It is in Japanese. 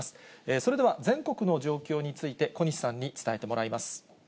それでは全国の状況について、小西さんに伝えてもらいます。